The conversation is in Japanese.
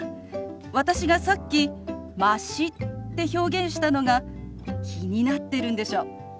私がさっき「まし」って表現したのが気になってるんでしょ？